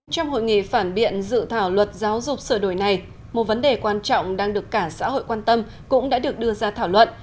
trong hội nghề phản biện dự thảo luật giáo dục sửa đổi này một vấn đề quan trọng đang được cả xã hội quan tâm cũng đã được đưa ra thảo luận